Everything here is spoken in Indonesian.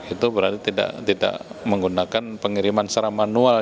itu berarti tidak menggunakan pengiriman secara manual